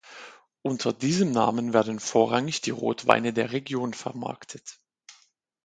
Unter diesem Namen werden vorrangig die Rotweine der Region vermarktet.